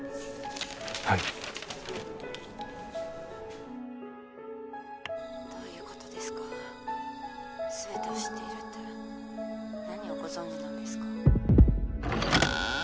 はいどういうことですか全てを知っているって何をご存じなんですか？